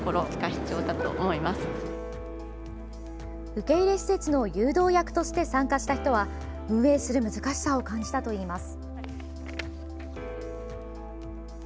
受け入れ施設の誘導役として参加した人は運営する難しさを感じたといいます。